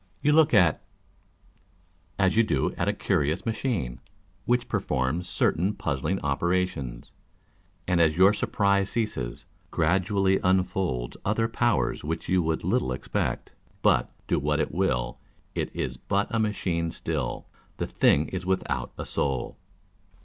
You look at , as you do at a curious machine, which performs certain puzzling operations, and as your surprise ceases, gradually unfolc" other powers which you would little expect â€" but do what 280 On the Qualifications Necessary it will, it is but a machine still ; the thing is without a soul